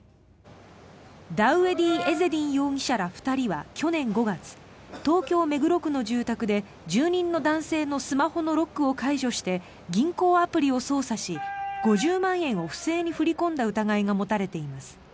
ダウエディ・エゼディン容疑者ら２人は去年５月東京・目黒区の住宅で住人のスマホのロックを解除して銀行アプリを操作し５０万円を不正に振り込んだ疑いが持たれています。